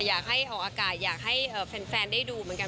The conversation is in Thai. อยากให้ออกอากาศอยากให้แฟนได้ดูเหมือนกัน